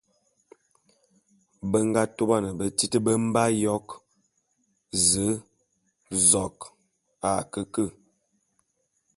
Be nga tôban betít be mbe ayok: Ze, zok...